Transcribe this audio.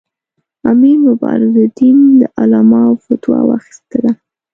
امیر مبارزالدین له علماوو فتوا واخیستله.